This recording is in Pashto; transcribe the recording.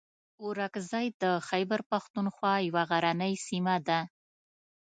اورکزۍ د خیبر پښتونخوا یوه غرنۍ سیمه ده.